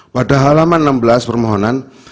pada halaman enam belas permohonan